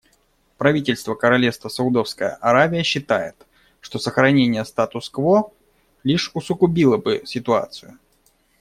Правительство Королевства Саудовская Аравия считает, что сохранение статус-кво лишь усугубило бы ситуацию.